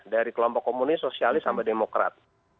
dari kelompok komunis sosialis sama demokrat